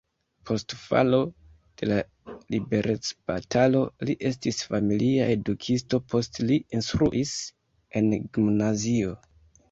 Post falo de la liberecbatalo li estis familia edukisto, poste li instruis en gimnazio.